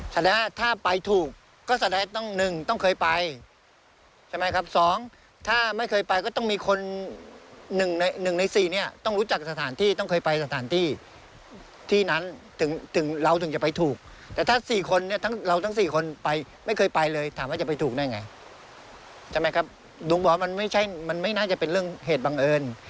จำเป็นครับลุงบอกว่ามันไม่ใช่มันไม่น่าจะเป็นเรื่องเหตุบังเอิญ